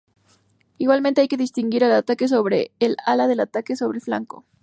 Igualmente hay que distinguir el ataque sobre el ala del ataque sobre el flanco.